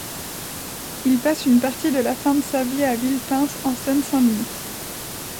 Il passe une partie de la fin de sa vie à Villepinte en Seine-Saint-Denis.